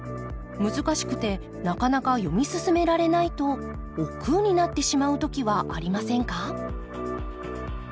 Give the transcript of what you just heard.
難しくてなかなか読み進められないとおっくうになってしまう時はありませんか？